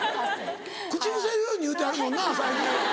口癖のように言うてはるもんな最近。